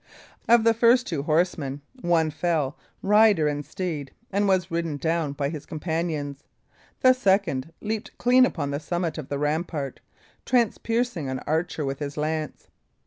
Of the first two horsemen, one fell, rider and steed, and was ridden down by his companions. The second leaped clean upon the summit of the rampart, transpiercing an archer with his lance.